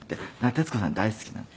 徹子さん大好きなの」